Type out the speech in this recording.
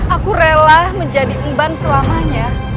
aku rela menjadi emban selamanya